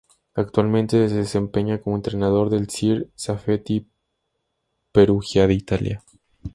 Actualmente, se desempeña como entrenador del Sir Safety Perugia de Italia.